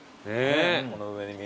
この上に見えた。